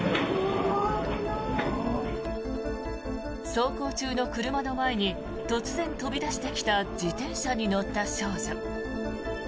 走行中の車の前に突然飛び出してきた自転車に乗った少女。